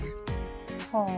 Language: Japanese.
はい。